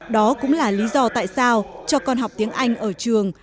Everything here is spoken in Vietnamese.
đó cũng là lý do tại sao cho con học tiếng anh ở trường